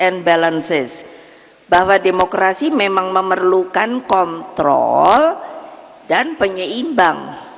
namun kita harus menempatkan kontrol dan penyeimbang